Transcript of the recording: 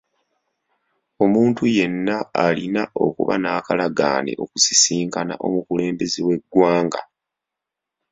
Omuntu yenna alina okuba n'akalagaane okusisinkana n'omukulembeze w'eggwanga.